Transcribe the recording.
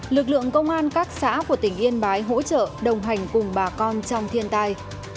lực lượng công an các xã của tỉnh yên bái hỗ trợ đồng hành cùng bà con trong thiên tai